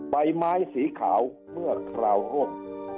ใบไม้สีขาวเมื่อคราวห้ม